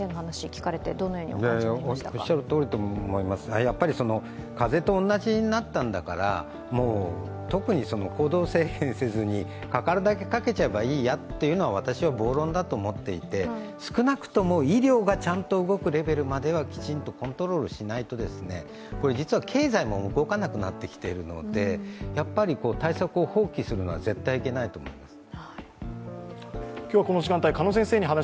おっしゃるとおりだと思います、やはり風邪と同じになったんだから、特に行動制限せずにかかるだけかけちゃえばいいんだっていうのが私は暴論だと思っていて、少なくとも医療がちゃんと動くレベルまではきちんとコントロールしないと実は経済も動かなくなってきているので対策を放棄するのは絶対いけないと思います。